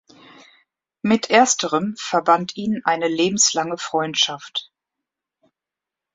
Mit ersterem verband ihn eine lebenslange Freundschaft.